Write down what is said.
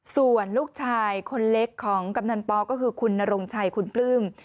ส่วนลูกชายคนเล็กของกำนันปก็คือคุณนรงชัยคุณปลื้ม